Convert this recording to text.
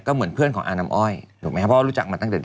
ก็เหมือนเพื่อนของอานน้ำอ้อยถูกไหมครับ